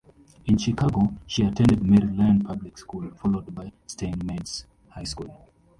In Chicago, she attended Mary Lyon Public School, followed by Steinmetz High School.